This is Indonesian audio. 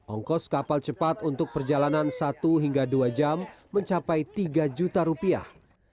ongkos kapal cepat untuk perjalanan satu hingga dua jam mencapai tiga juta rupiah